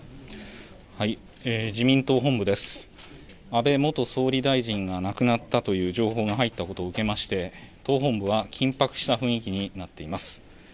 安倍元総理大臣が亡くなったという情報が入ったことを受けまして、党本部は緊迫した雰囲気になっています。